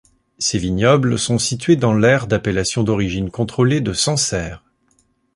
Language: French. Ses vignobles sont situés dans l'aire d'appellation d'origine contrôlée de Sancerre.